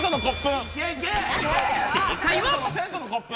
正解は。